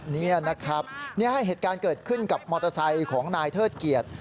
นี่นะครับเหตุการณ์เกิดขึ้นกับมอเตอร์ไซค์ของนายเทิดเกียรติ